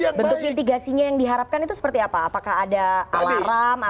yang baik bentuk mitigasinya yang diharapkan itu seperti apa apakah ada alarm apapun